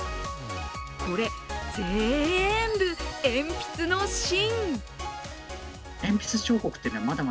これ、ぜーんぶ鉛筆の芯。